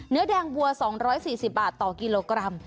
เนื้อแดงวัว๒๔๐บาทต่อกิโลกรัม